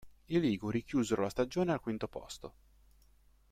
I liguri chiusero la stagione al quinto posto.